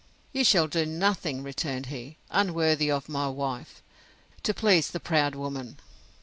You shall do nothing, returned he, unworthy of my wife, to please the proud woman!